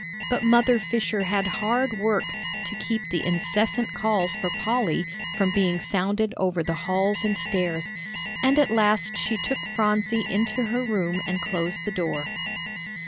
But Mother Fisher had hard work to keep the incessant calls for Polly from being sounded over the halls and stairs, and at last she took Phronsie into her room and closed the door.